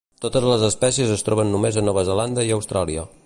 Totes les espècies es troben només a Nova Zelanda i Austràlia.